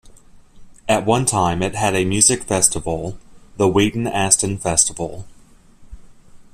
At one time it had a music festival, the Wheaton Aston Festival.